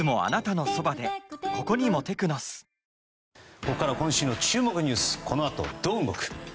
ここからは今週の注目ニュースこの後どう動く？